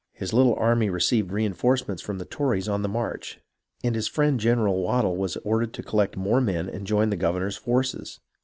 His little army re ceived reenforcements from the Tories on the march, and his friend General Waddel was ordered to collect more men and join the governor's forces.